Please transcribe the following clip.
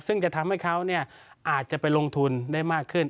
ซึ่งจะทำให้เขาอาจจะไปลงทุนได้มากขึ้น